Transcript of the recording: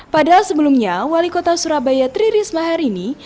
padahal sebelumnya wali kota surabaya tririsma hari ini